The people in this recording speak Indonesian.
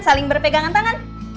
saling berpegangan tangan